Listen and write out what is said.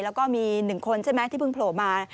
แล้วก็มี๑คนที่เพิ่งโผล่มา